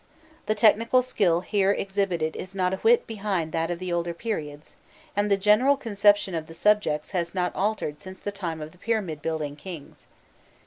The technical skill here exhibited is not a whit behind that of the older periods, and the general conception of the subjects has not altered since the time of the pyramid building kings.